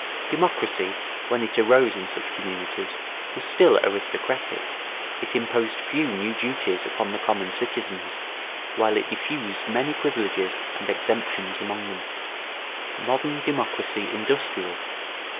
Democracy, when it arose in such communities, was still aristocratic; it imposed few new duties upon the common citizens, while it diffused many privileges and exemptions among them. [Sidenote: Modern democracy industrial.